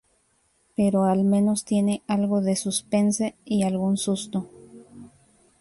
Pero al menos tiene algo de suspense y algún susto.